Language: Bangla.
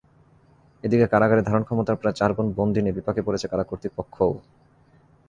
এদিকে কারাগারে ধারণক্ষমতার প্রায় চার গুণ বন্দী নিয়ে বিপাকে পড়েছে কারা কর্তৃপক্ষও।